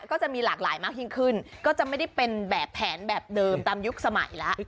ก็จะมีหลากหลายมากยิ่งขึ้นก็จะไม่ได้เป็นแบบแผนแบบเดิมตามยุคสมัยแล้ว